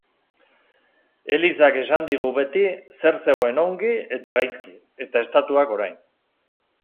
Elizak esan digu beti zer zegoen ongi eta gaizki, eta Estatuak orain.